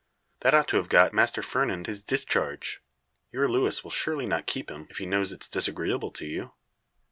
"That ought to have got Master Fernand his discharge. Your Luis will surely not keep him, if he knows it's disagreeable to you?"